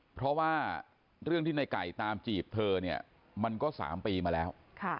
เพราะว่าเรื่องที่ในไก่ตามจีบเธอเนี่ยมันก็๓ปีมาแล้ว